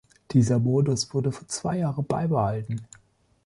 Dieser Modus wurde für zwei Jahre beibehalten.